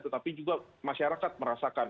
tetapi juga masyarakat merasakan